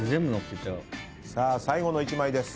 さあ最後の１枚です。